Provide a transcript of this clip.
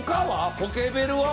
ポケベルは？